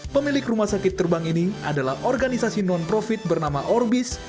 pemilik rumah sakit terbang ini adalah organisasi non profit bernama orbis